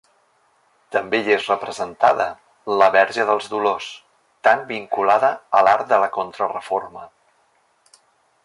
També hi és representada la Verge dels Dolors, tan vinculada a l'art de la contra-reforma.